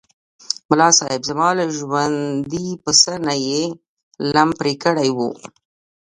ملاصاحب! زما له ژوندي پسه نه یې لم پرې کړی و.